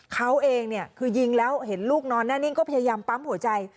เขาเองเนี่ยคือยิงแล้วเห็นลูกนอนแน่นิ่งก็พยายามปั๊มหัวใจ